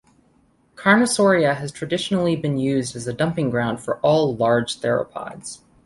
Carnosauria has traditionally been used as a dumping ground for all large theropods.